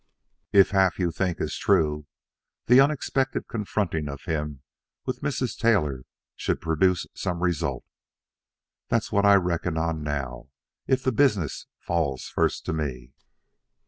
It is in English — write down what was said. "If half you think is true, the unexpected confronting of him with Mrs. Taylor should produce some result. That's what I reckon on now, if the business falls first to me."